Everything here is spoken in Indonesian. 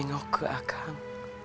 tengok ke akang